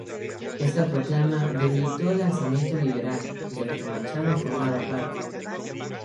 Esta proclama debilitó el alzamiento liberal del que Machado formaba parte.